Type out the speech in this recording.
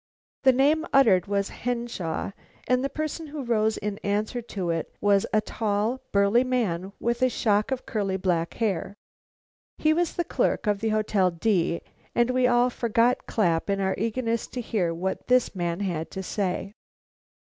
The name uttered was Henshaw, and the person who rose in answer to it was a tall, burly man with a shock of curly black hair. He was the clerk of the Hotel D , and we all forgot Clapp in our eagerness to hear what this man had to say.